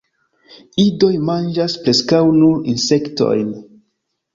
Idoj manĝas preskaŭ nur insektojn.